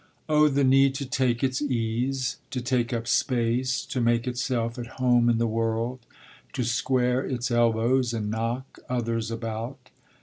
"Oh the need to take its ease, to take up space, to make itself at home in the world, to square its elbows and knock, others about.